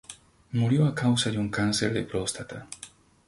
Murió a causa de un cáncer de próstata.